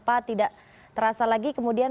saat iniarsi perigeran kedua